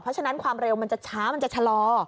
เพราะฉะนั้นความเร็วมันจะช้ามันจะชะลอ